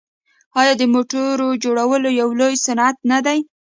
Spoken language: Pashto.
آیا د موټرو جوړول یو لوی صنعت نه دی؟